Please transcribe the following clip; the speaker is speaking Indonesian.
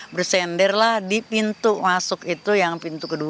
bersenderlah di pintu masuk itu yang pintu kedua